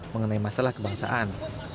mengenai masalah kebangsaan